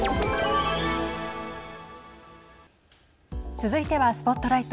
続いてはＳＰＯＴＬＩＧＨＴ。